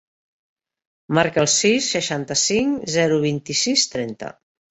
Marca el sis, seixanta-cinc, zero, vint-i-sis, trenta.